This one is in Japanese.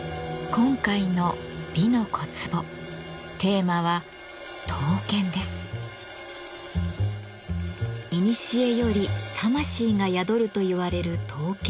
今回の「美の小壺」テーマはいにしえより魂が宿るといわれる刀剣。